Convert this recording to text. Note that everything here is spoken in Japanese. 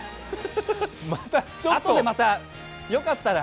あとで、またよかったら。